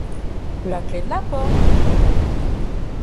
La clef de la porte ?